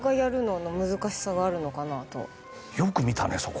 よく見たねそこ。